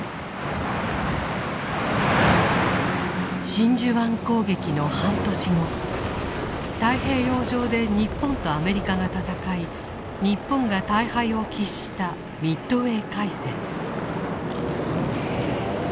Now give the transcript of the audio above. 真珠湾攻撃の半年後太平洋上で日本とアメリカが戦い日本が大敗を喫したミッドウェー海戦。